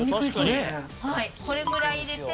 これぐらい入れて。